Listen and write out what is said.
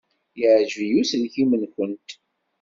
Yeɛjeb-iyi uselkim-nwent.